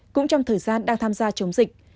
cũng trong thời gian đang tham gia chống dịch